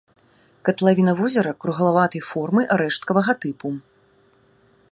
Катлавіна возера круглаватай формы, рэшткавага тыпу.